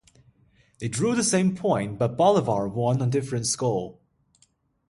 They drew the same point but Bolivar won on Difference goal.